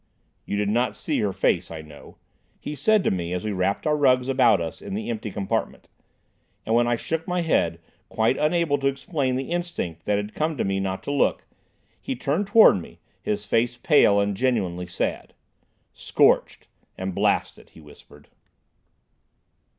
"You did not see her face, I know," he said to me as we wrapped our rugs about us in the empty compartment. And when I shook my head, quite unable to explain the instinct that had come to me not to look, he turned toward me, his face pale, and genuinely sad. "Scorched and blasted," he whispered.